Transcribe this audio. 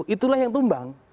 itulah yang tumbang